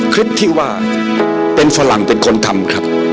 คลิปที่ว่าเป็นฝรั่งเป็นคนทำครับ